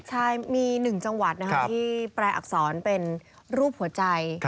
ใช่มี๑จังหวัดที่แปลอักษรเป็นรูปหัวใจ